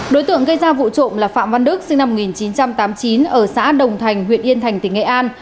đối tượng gây ra vụ trộm là phạm văn đức sinh năm một nghìn chín trăm tám mươi chín ở xã đồng thành huyện yên thành tỉnh nghệ an